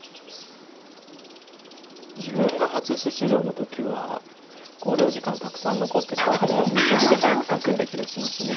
自分が初出場の時は考慮時間たくさん残ってたと思うんでめちゃくちゃ速く指してた気がしますね。